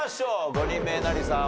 ５人目えなりさん